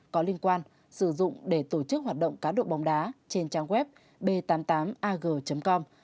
có liên quan sử dụng để tổ chức hoạt động cá độ bóng đá trên trang web b tám mươi tám ag com